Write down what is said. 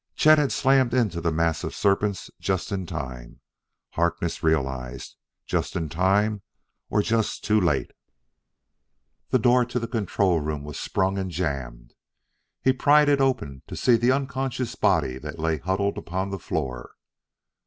Chet had slammed into the mass of serpents just in time, Harkness realized. Just in time, or just too late.... The door to the control room was sprung and jammed. He pried it open to see the unconscious body that lay huddled upon the floor.